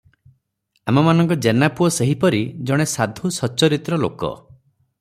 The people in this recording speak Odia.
ଆମମାନଙ୍କ ଜେନାପୁଅ ସେହିପରି ଜଣେ ସାଧୁ ସଚ୍ଚରିତ୍ର ଲୋକ ।